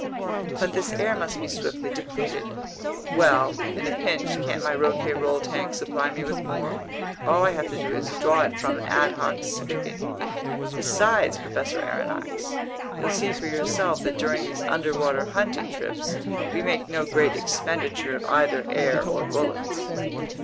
"But this air must be swiftly depleted." "Well, in a pinch can't my Rouquayrol tank supply me with more? All I have to do is draw it from an ad hoc spigot.* Besides, Professor Aronnax, you'll see for yourself that during these underwater hunting trips, we make no great expenditure of either air or bullets."